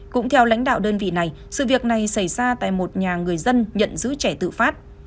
cũng theo lãnh đạo đơn vị này sự việc này xảy ra tại một nhà người dân nhận giữ trẻ tự phát